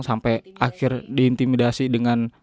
sampai akhir diintimidasi dengan